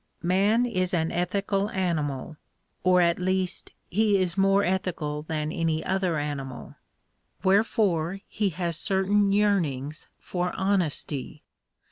Man is an ethical animal or, at least, he is more ethical than any other animal. Wherefore he has certain yearnings for honesty.